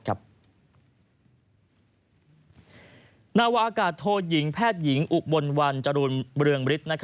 นาวาอากาศโทยิงแพทย์หญิงอุบลวันจรูลเรืองฤทธิ์